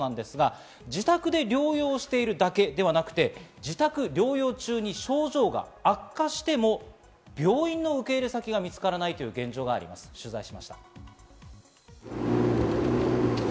自宅で療養しているだけではなくて自宅療養中に症状が悪化しても病院の受け入れ先が見つからないという現状があります、取材しました。